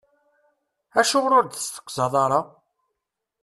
Acuɣer ur d-testeqsayeḍ ara?